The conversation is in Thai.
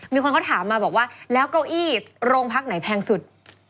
มีคนเขาถามมาบอกว่าแล้วเก้าอี้โรงพักไหนแพงสุด